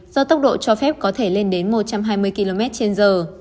do tốc độ cho phép có thể lên đến một trăm hai mươi km trên giờ